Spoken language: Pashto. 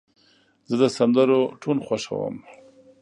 زه د سندرو ټون خوښوم.